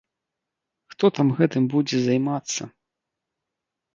Хто там гэтым будзе займацца?!